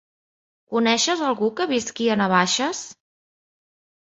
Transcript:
Coneixes algú que visqui a Navaixes?